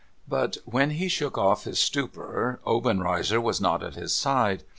But when he shook off his stupor, Obenreizer was not at his side.